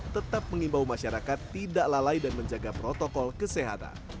tetap mengimbau masyarakat tidak lalai dan menjaga protokol kesehatan